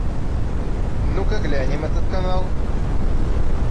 Ну-ка глянем этот канал.